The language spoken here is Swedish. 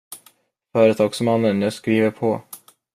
Företagsmannen, jag skriver på.